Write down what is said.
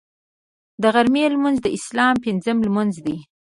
د غرمې لمونځ د اسلام پنځم لمونځ دی